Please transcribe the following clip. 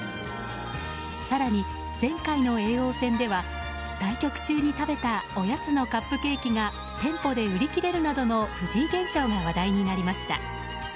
更に、前回の叡王戦では対局中に食べたおやつのカップケーキが店舗で売り切れるなどの藤井現象が話題になりました。